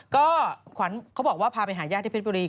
ก็ขวัญเขาบอกว่าพาไปหาญาติที่เพชรบุรี